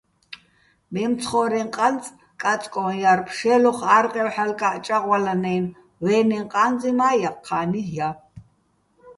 მემცხო́რეჼ ყანწ კაწკოჼ ჲარ, ფშე́ლოხ ა́რყევ ჰ̦ალკა́ჸ ჭაღვალანაჲნო, ვე́ნეჼ ყა́ნწი მა́ ჲაჴჴა́ნი ჲა.